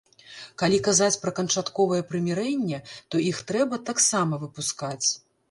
Калі казаць пра канчатковае прымірэнне, то іх трэба таксама выпускаць.